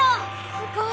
すごい！